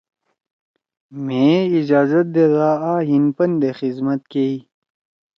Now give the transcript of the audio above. مھیئے ئی اجازت دے دا آ ہیِن پندے خیِزمت کیئی۔